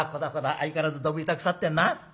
相変わらずどぶ板腐ってんな」。